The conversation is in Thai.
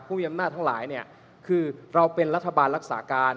ผู้มีอำนาจทั้งหลายคือเราเป็นรัฐบาลรักษาการ